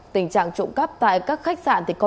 tình trạng trộm cắp tại các khách sạn thì có